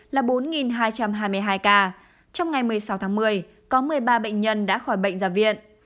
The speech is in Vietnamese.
là bốn hai trăm hai mươi hai ca trong ngày một mươi sáu tháng một mươi có một mươi ba bệnh nhân đã khỏi bệnh ra viện